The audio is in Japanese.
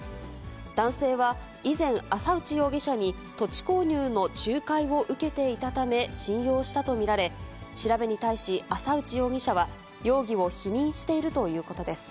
男性は、以前、浅内容疑者に土地購入の仲介を受けていたため信用したと見られ、調べに対し、浅内容疑者は、容疑を否認しているということです。